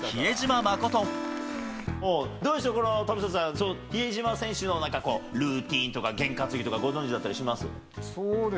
どうでしょう、田臥さん、比江島選手のルーティンとか、験担ぎとかご存じだったりします？